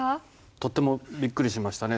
とってもびっくりしましたね。